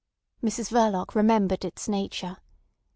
Mrs Verloc remembered its nature.